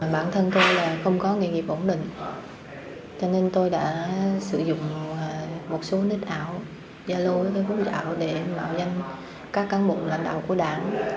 bản thân tôi là không có nghề nghiệp ổn định cho nên tôi đã sử dụng một số nít ảo da lôi hút dạo để mạo danh các cán bụng lãnh đạo của đảng